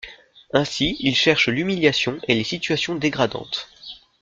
Ainsi, ils cherchent l'humiliation et les situations dégradantes.